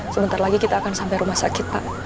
sebentar lagi kita akan sampai rumah sakit pak